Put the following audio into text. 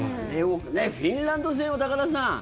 フィンランド戦は高田さん。